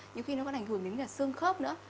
nhiều khi nó có ảnh hưởng đến sương khớp nữa